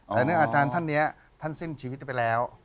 แต่อาจารย์ท่านเนี้ยท่านเส้นชีวิตไปแล้ว